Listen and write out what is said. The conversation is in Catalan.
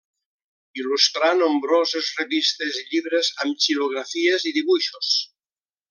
Il·lustrà nombroses revistes i llibres amb xilografies i dibuixos.